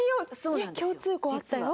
共通項あったよ。